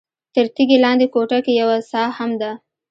تر تیږې لاندې کوټه کې یوه څاه هم ده.